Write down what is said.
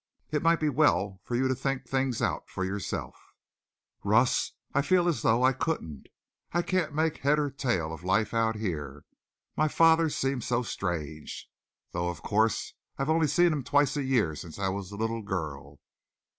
"It might be well for you to think things out for yourself." "Russ, I feel as though I couldn't. I can't make head or tail of life out here. My father seems so strange. Though, of course, I've only seen him twice a year since I was a little girl.